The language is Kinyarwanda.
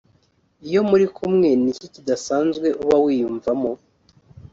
Iyo muri kumwe ni iki kidasanzwe uba wiyumvamo